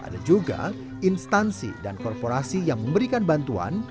ada juga instansi dan korporasi yang memberikan bantuan